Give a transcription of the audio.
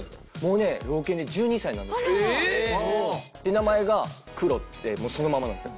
名前がクロってそのままなんですよ。